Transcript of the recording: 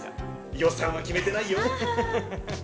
予算は決めてないよ。